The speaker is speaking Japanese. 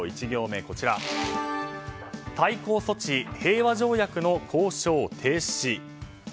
１行目、対抗措置平和条約の交渉停止。